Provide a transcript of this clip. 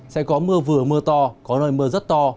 sẽ có mưa vừa mưa to có nơi mưa rất to